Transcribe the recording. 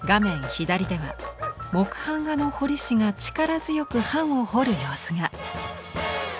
左では木版画の彫師が力強く版を彫る様子が。